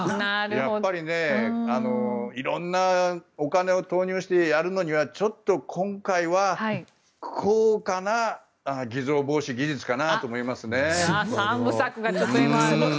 やっぱり、色んなお金を投入してやるのにはちょっと今回は高価な偽造防止技術だと思いますね。